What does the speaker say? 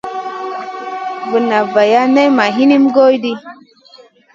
Vunna vaya nay ma hinim goy ɗi.